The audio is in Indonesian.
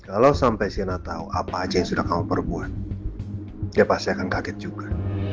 kalau sampai si anak tahu apa aja yang sudah kamu perbuat dia pasti akan kaget juga